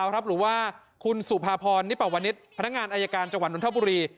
หรือว่าคุณสุภาพรนิปวนิษฐ์พนักงานอายการจังหวัดนทบุรี